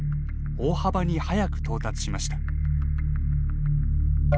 大幅に早く到達しました。